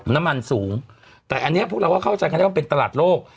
น้ำมันสูงแต่อันนี้พวกเราก็เข้าใจกันได้ว่าเป็นตลาดโลก